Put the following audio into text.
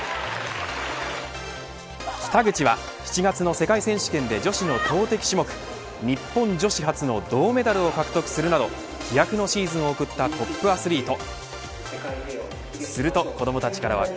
北口は７月の世界選手権で女子の投てき種目日本女子初の銅メダルを獲得するなど飛躍のシーズンを送ったトップアスリート。